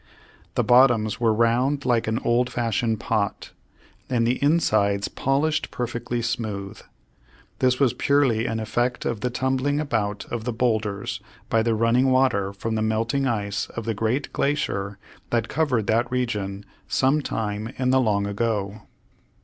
The bottoms were round like an old fashioned pot, and the insides polished perfectly smooth. This was purely an effect of the tumbling about of the bowlders by the running water from the melting ice of the great glacier that covered that region some time in the long ago.